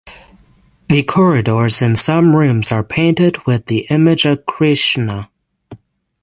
The corridors and some rooms are painted with the image of Krishna.